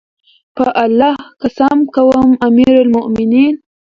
په الله قسم کوم امير المؤمنینه!